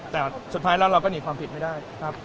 แต่สุดท้ายแล้วเราก็หนีความผิดไม่ได้ครับ